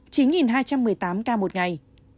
chín hai trăm một mươi tám ca một ngày